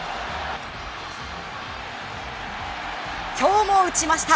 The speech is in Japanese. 今日も打ちました。